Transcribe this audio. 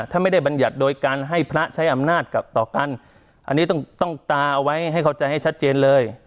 ถ้าไม่ได้บรรยัติโดยการให้พระใช้อำนาจต่อกันอันนี้ต้องตาเอาไว้ให้เข้าใจให้ชัดเจนเลย